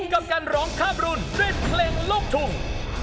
กับการร้องข้ามรุ่นด้วยเพลงลูกทุ่ง